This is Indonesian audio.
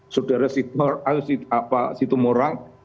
sudara si tumorang